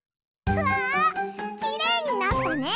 きれいになったね！